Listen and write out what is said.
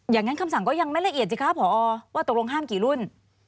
อย่างงั้นคำสั่งก็ยังไม่ละเอียดจริงครับผอว่าตกลงห้ามกี่รุ่น